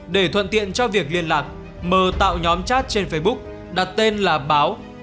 để thuận tiện cho việc liên lạc mờ tạo nhóm chat trên facebook đặt tên là báo